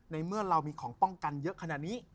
เมื่อเรามีของป้องกันเยอะขนาดนี้